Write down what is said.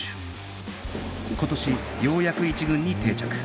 今年ようやく１軍に定着